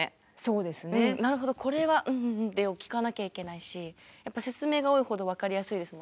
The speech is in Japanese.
これはうんうん」って聞かなきゃいけないし説明が多いほど分かりやすいですもんね。